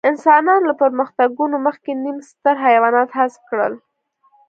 انسانانو له پرمختګونو مخکې نیم ستر حیوانات حذف کړل.